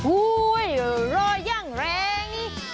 อู้ยอร่อยอย่างแรงนี่